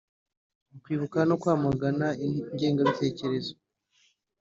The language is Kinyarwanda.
kwibuka no kwamagana ingengabitekerezo